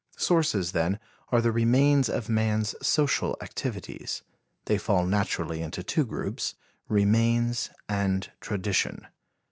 Sources, then, are the remains of man's social activities. They fall naturally into two groups: remains and tradition.